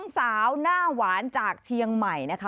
สาวหน้าหวานจากเชียงใหม่นะคะ